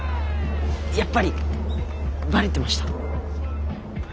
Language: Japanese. やっぱりバレてました？